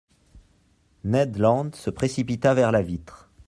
Ned Land se précipita vers la vitre.